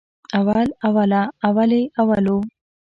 اول، اوله، اولې، اولو